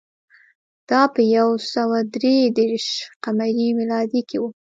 دا په یو سوه درې دېرش ق م کې و